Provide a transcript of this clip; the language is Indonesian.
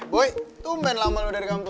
eh boy tumben lama lo dari kampus